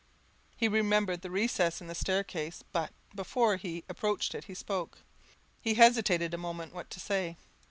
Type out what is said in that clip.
He remembered the recess in the staircase; but, before he approached it, he spoke: he hesitated a moment what to say.